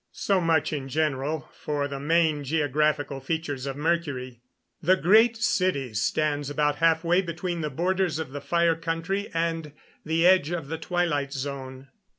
So much, in general, for the main geographical features of Mercury. The Great City stands about halfway between the borders of the Fire Country and the edge of the twilight zone.